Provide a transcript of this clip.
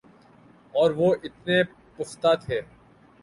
اور وہ اتنے پستہ تھے